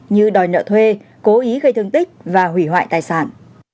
như đòi nợ thuê cố ý gây thương tích và hủy hoại tài sản